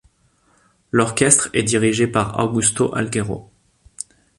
L'orchestre est dirigé par Augusto Algueró.